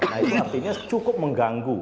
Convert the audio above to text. nah itu artinya cukup mengganggu